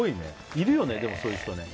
いるよね、でもそういう人ね。